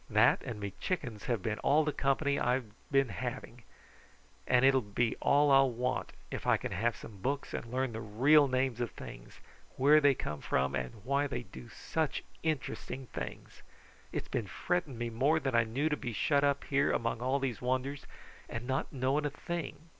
That and me chickens have been all the company I've been having, and it will be all I'll want if I can have some books and learn the real names of things, where they come from, and why they do such interesting things. It's been fretting me more than I knew to be shut up here among all these wonders and not knowing a thing.